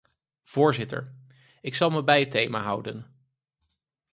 Voorzitter, ik zal me bij het thema houden.